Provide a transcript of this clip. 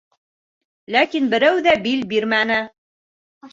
Ләкин берәү ҙә бил бирмәне.